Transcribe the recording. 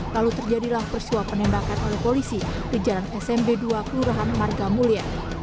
lalu terjadilah peristiwa penembakan oleh polisi di jalan smb dua kelurahan marga mulia